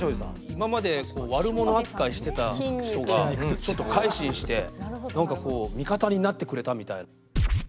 今まで悪者扱いしてた人がちょっと改心して味方になってくれたみたいな。